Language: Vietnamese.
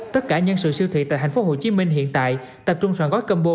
tất cả nhân sự siêu thị tại tp hcm hiện tại tập trung soạn gói combo